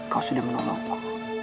kau sudah menolongku